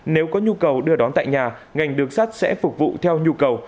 nếu có nhu cầu đưa đón tại nhà ngành đường sắt sẽ phục vụ theo nhu cầu